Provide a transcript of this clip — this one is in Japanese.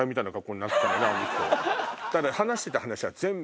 ただ話してた話は全部。